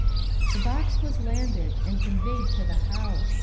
The box was landed, and conveyed to the house.